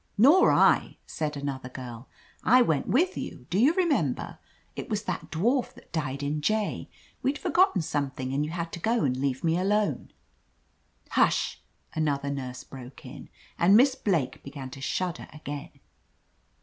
"Nor I," said another girl, "I went with you. Do you remember? It was that dwarf ,that died in J. We'd forgotten something, and you had to go and leave me alone." "Hush!" another nurse broke in, and Miss Blake began to shudder again.